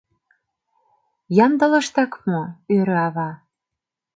— Ямдылыштак мо? — ӧрӧ ава.